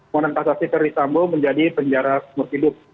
menangkasasi ferdi sambo menjadi penjara semur hidup